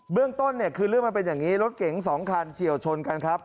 เรื่องต้นเนี่ยคือเรื่องมันเป็นอย่างนี้รถเก๋ง๒คันเฉียวชนกันครับ